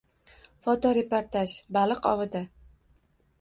Fotoreportaj: Baliq ovida